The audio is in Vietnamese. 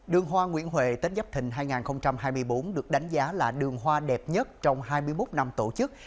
đường hoa nguyễn huệ tết dắp thình hai nghìn hai mươi bốn được đánh giá là đường hoa đẹp nhất trong hai mươi một năm tổ chức